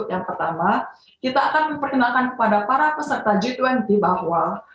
yang pertama kita akan memperkenalkan kepada para peserta g dua puluh bahwa